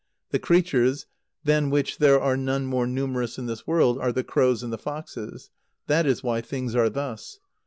The creatures, than which there are none more numerous in this world, are the crows and the foxes. That is why things are thus.